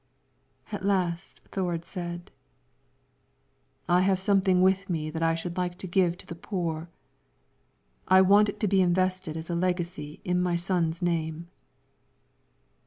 At last Thord said: "I have something with me that I should like to give to the poor; I want it to be invested as a legacy in my son's name."